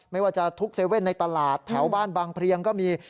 ไม่ว่าจะทุก๗๑๑ในตลาดแถวบ้านบางเพลียงก็มี